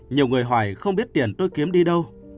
nhiều người hỏi không biết tiền tôi kiếm đi đâu